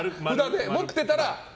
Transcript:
持ってたら○。